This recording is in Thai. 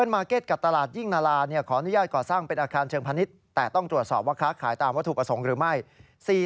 เหลือขออนุญาตตกอสร้างเป็นอาคารเชิงพะนิดแต่ต้องตรวจสอบว่าค้าขายตามถูกอศงหรือไม่